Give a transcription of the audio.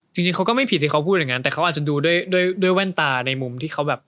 จริงจริงเขาก็ไม่ผิดที่เขาพูดอย่างนั้นแต่เขาอาจจะดูด้วยด้วยแว่นตาในมุมที่เขาแบบ